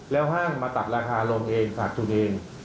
แล้วห้ามมาตัดราคาลงเองขาดทุนเอง